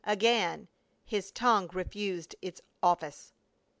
Again his tongue refused its office.